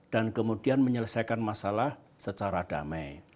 dan kemudian menyelesaikan masalah secara damai